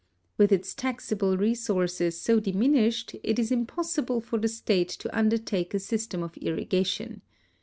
With its taxable resources so dimin ished it is impossible for the state to undertake a system of irri gation.